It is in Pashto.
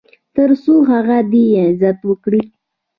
تر څو هغه دې عزت وکړي .